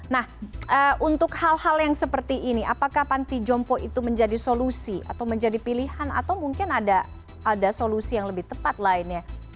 nah untuk hal hal yang seperti ini apakah panti jompo itu menjadi solusi atau menjadi pilihan atau mungkin ada solusi yang lebih tepat lainnya